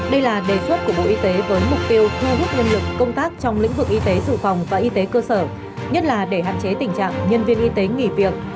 đây là đề xuất của bộ y tế với mục tiêu thu hút nhân lực công tác trong lĩnh vực y tế dự phòng và y tế cơ sở nhất là để hạn chế tình trạng nhân viên y tế nghỉ việc